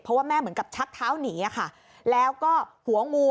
เพราะว่าแม่เหมือนกับชักเท้าหนีอะค่ะแล้วก็หัวงู